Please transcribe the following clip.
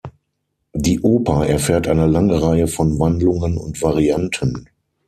Die Oper erfährt eine lange Reihe von Wandlungen und Varianten.